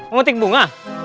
mau tik bunga